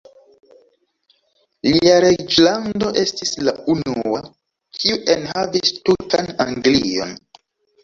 Lia reĝlando estis la unua, kiu enhavis tutan Anglion.